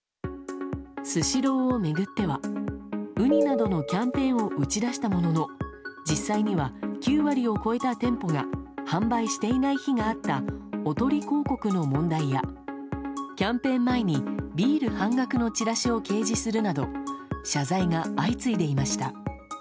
スシローを巡ってはウニなどのキャンペーンを打ち出したものの実際には９割を超えた店舗が販売していない日があったおとり広告の問題やキャンペーン前にビール半額のチラシを掲示するなど謝罪が相次いでいました。